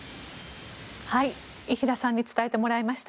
伊平さんに伝えてもらいました。